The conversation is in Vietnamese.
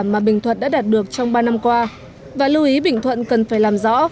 mà bình thuận đã đạt được trong ba năm qua và lưu ý bình thuận cần phải làm rõ